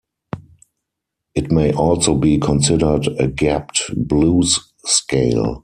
It may also be considered a gapped blues scale.